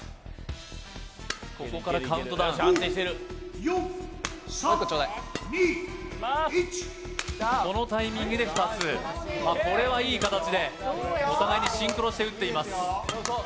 ここからカウントダウンもう一個ちょうだいこのタイミングで２つこれはいい形でお互いにシンクロして打っています